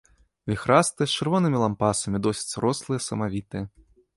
Віхрастыя, з чырвонымі лампасамі, досыць рослыя, самавітыя.